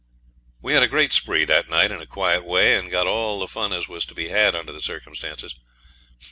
We had a great spree that night in a quiet way, and got all the fun as was to be had under the circumstances.